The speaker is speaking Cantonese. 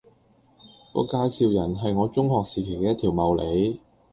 個介紹人係我中學時期嘅一條茂利